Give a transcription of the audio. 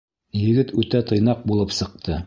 Егет үтә тыйнаҡ булып сыҡты.